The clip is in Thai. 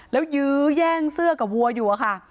แล้วยื้อแย่งเสื้อกับวัวอยู่อะค่ะ